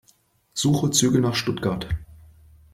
Suche Züge nach Stuttgart.